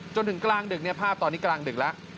จนถึงกลางดึกภาพตอนนี้กลางดึกแล้ว